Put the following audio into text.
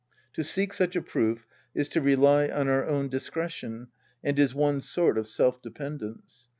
To seek such a proof is to rely on our own discretion and is one sort of self dependence.